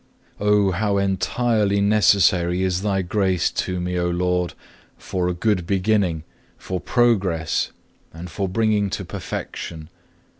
4. Oh how entirely necessary is Thy grace to me, O Lord, for a good beginning, for progress, and for bringing to perfection.